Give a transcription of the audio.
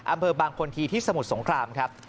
อำเภอบางคนทีที่สมุทรสงครามครับ